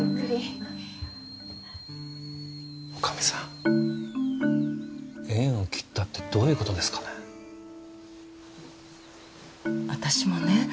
女将さん縁を切ったってどういうことですかね？